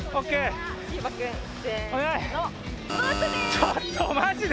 ちょっとマジで？